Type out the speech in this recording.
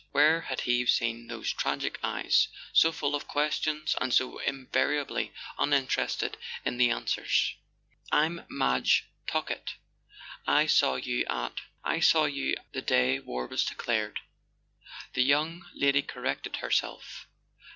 Where had he seen those tragic eyes, so full of questions and so invariably uninterested in the answers ? "I'm Madge Talkett—I saw you at—I saw you the day war was declared," the young lady corrected her¬ self.